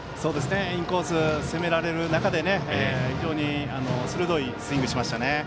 インコース攻められる中で非常に鋭いスイングしましたね。